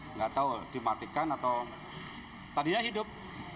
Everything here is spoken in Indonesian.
tidak tahu dimatikan atau tidak hidup